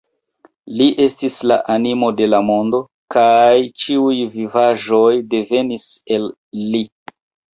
Li estis la animo de la mondo, kaj ĉiuj vivaĵoj devenis el li.